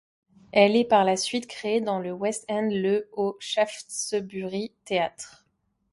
Elle est par la suite créée dans le West End le au Shaftesbury Theatre.